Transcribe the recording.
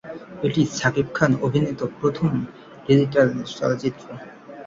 এটি শাকিব খান অভিনীত প্রথম ডিজিটাল চলচ্চিত্র।